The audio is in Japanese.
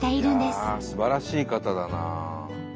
すばらしい方だなあ。